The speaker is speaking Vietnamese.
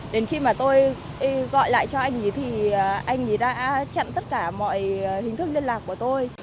đến khi mà tôi gọi lại cho anh ấy thì anh đã chặn tất cả mọi hình thức liên lạc của tôi